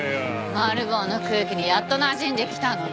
マル暴の空気にやっとなじんできたのに。